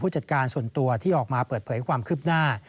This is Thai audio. จัดการส่วนตัวที่ออกมาเปิดเผยความคืบหน้า